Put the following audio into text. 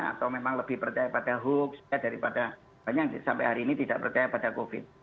atau memang lebih percaya pada hoax daripada banyak yang sampai hari ini tidak percaya pada covid